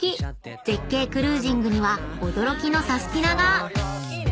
［絶景クルージングには驚きのサスティな！が］